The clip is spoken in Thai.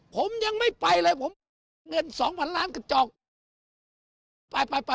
ผมยังไม่ไปเลยผมเงิน๒๐๐๐ล้านกระจอก